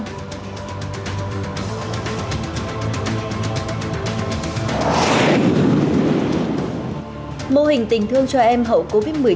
mô hình tình thương cho em hậu covid một mươi chín chung tay giúp đỡ nhiều trường hợp trẻ em có cha mẹ qua đời vì nhiễm bệnh